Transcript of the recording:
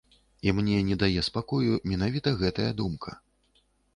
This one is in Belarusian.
І мне не дае спакою менавіта гэтая думка.